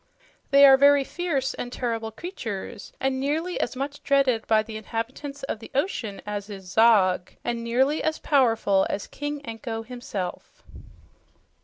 "They are very fierce and terrible creatures and nearly as much dreaded by the inhabitants of the ocean as is Zog, and nearly as powerful as King Anko himself."